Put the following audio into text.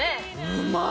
うまい！